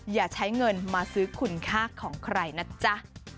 อย่าใช้เงินมาซื้อคุณค่าของใครนะจ๊ะ